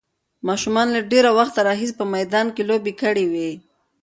ماشومانو له ډېر وخت راهیسې په میدان کې لوبې کړې وې.